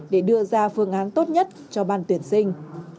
để đưa ra phương án tốt nhất cho ban tuyển sinh